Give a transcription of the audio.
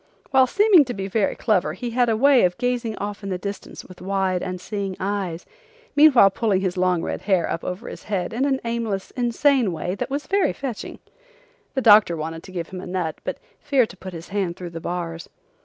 While seeming to be very clever he had a way of gazing off in the distance with wide, unseeing eyes, meanwhile pulling his long red hair up over his head in an aimless, insane way that was very fetching. The doctor wanted to give him a nut, but feared to put his hand through the bars.